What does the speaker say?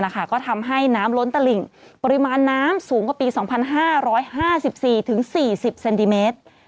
ก็ทำให้น้ำล้นตลิ่งปริมาณน้ำสูงกว่าปี๒๕๕๔๔๐เซนติเมตร